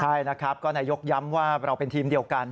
ใช่นะครับก็นายกย้ำว่าเราเป็นทีมเดียวกัน